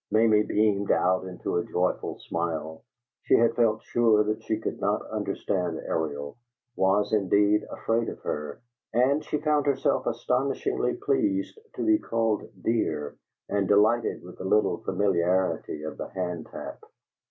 Mamie beamed out into a joyful smile. She had felt sure that she could not understand Ariel; was, indeed, afraid of her; and she found herself astonishingly pleased to be called "dear," and delighted with the little familiarity of the hand tap.